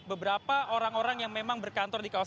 beberapa orang orang yang memang berkantor dikawasan